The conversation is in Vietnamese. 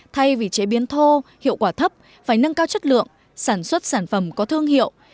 thay vì chế biến thô hiệu quả thấp phải nâng cao chất lượng sản xuất sản phẩm có thương hiệu